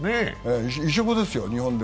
異色ですよ。